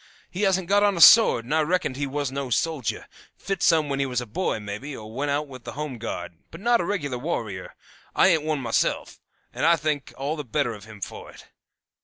He hasn't got on a sword, and I reckon he was no soldier; fit some when he was a boy, maybe, or went out with the home guard, but not a regular warrior. I ain't one myself, and I think all the better of him for it.